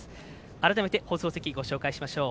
改めて放送席ご紹介しましょう。